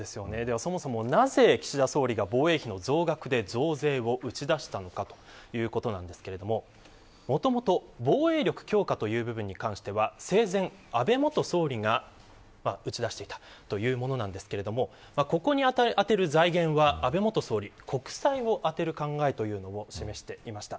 そもそもなぜ岸田総理が防衛費増額で増税を打ち出したのか。ということですがもともと、防衛力強化という部分に関しては生前、安倍元総理が打ち出していたというものなんですけれどもここに充てる財源は安倍元総理、国債を充てる考えを示していました。